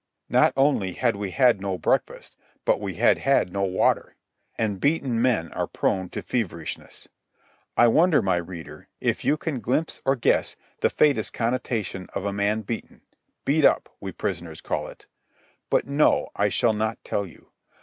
Not only had we had no breakfast, but we had had no water. And beaten men are prone to feverishness. I wonder, my reader, if you can glimpse or guess the faintest connotation of a man beaten—"beat up," we prisoners call it. But no, I shall not tell you.